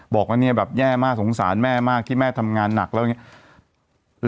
บอกว่าเนี่ยแบบแย่มากสงสารแม่มากที่แม่ทำงานหนักแล้วอย่างนี้